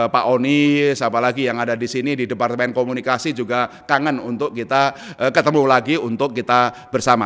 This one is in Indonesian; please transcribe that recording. pak onis apalagi yang ada di sini di departemen komunikasi juga kangen untuk kita ketemu lagi untuk kita bersama